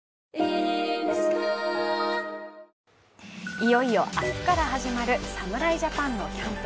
いよいよ明日から始まる侍ジャパンのキャンプ。